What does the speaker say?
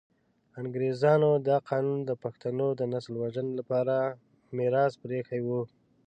انګریزانو دا قانون د پښتنو د نسل وژنې لپاره میراث پرې ایښی وو.